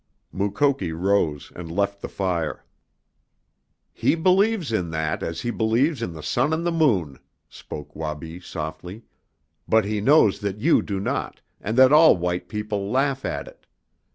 Mukoki rose and left the fire. "He believes in that as he believes in the sun and the moon," spoke Wabi softly. "But he knows that you do not, and that all white people laugh at it.